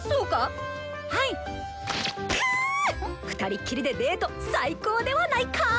ふたりっきりでデート最高ではないか！